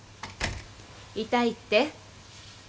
痛いって？